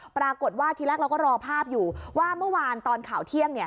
ปรากฏว่าทีแรกเราก็รอภาพอยู่ว่าเมื่อวานตอนข่าวเที่ยง